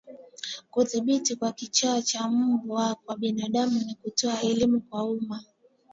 Udhibiti wa kichaa cha mbwa kwa binadamu ni kutoa elimu kwa umma